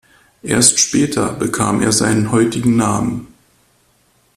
Erst später bekam er seinen heutigen Namen.